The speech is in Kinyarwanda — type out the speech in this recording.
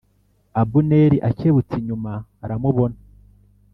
Abuneri akebutse inyuma aramubona